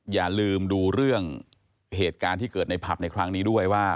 อย่าลืมดูเรื่องเหตุการณ์ที่เกิดในผับในครั้งนี้ด้วยว่า